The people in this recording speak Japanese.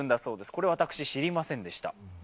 これ私、知りませんでした。